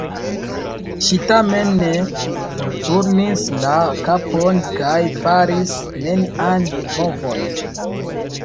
Ŝi tamen ne forturnis la kapon kaj faris nenian movon.